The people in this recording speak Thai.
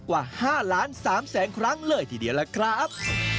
กว่า๕ล้าน๓แสนครั้งเลยทีเดียวล่ะครับ